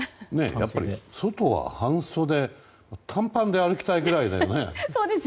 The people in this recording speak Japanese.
外は半袖短パンで歩きたいぐらいですよね。